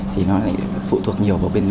thì nó lại phụ thuộc nhiều vào